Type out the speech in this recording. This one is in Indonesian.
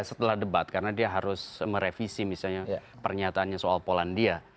setelah debat karena dia harus merevisi misalnya pernyataannya soal polandia